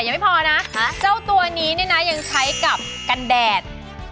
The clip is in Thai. ยังไม่พอนะเจ้าตัวนี้เนี่ยนะยังใช้กับกันแดด